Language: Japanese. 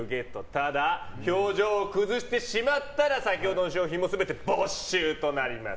ただ、表情を崩してしまったら先ほどの商品も全て没収となります。